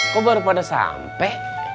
kok baru pada sampe